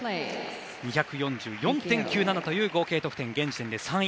２４４．９７という合計得点は現在３位。